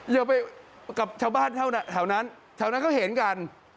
อย่าไปกับชาวบ้านแถวนั้นแถวนั้นเขาเห็นกัน